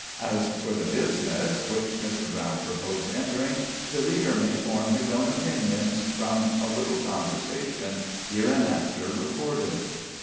As for the business which Mr. Brown proposed entering, the reader may form his own opinions from a little conversation hereinafter recorded.